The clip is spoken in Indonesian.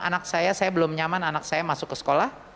anak saya saya belum nyaman anak saya masuk ke sekolah